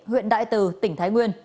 huyện đại từ tỉnh thái nguyên